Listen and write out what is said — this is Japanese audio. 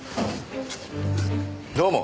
どうも。